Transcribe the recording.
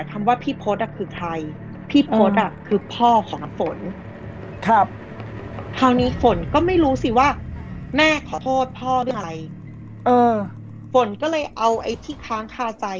ขอโทษพ่อเรื่องอะไรเออฝนก็เลยเอาไอ้ที่ค้างค่าใจ